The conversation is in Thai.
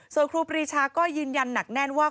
ส่วนครูปรีชาก็ยืนยันหนักแน่นว่า